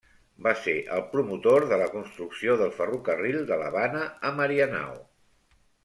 Va ser el promotor de la construcció del ferrocarril de l'Havana a Marianao.